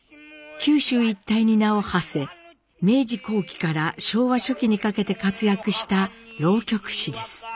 九州一帯に名をはせ明治後期から昭和初期にかけて活躍した浪曲師です。